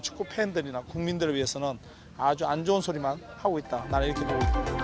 saya berharap anda akan menangkan pertempuran di world cup u dua puluh